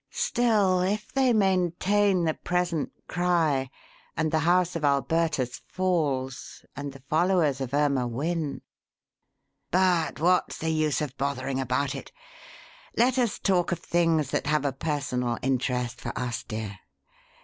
Still, if they maintain the present cry and the House of Alburtus falls and the followers of Irma win But what's the use of bothering about it? Let us talk of things that have a personal interest for us, dear.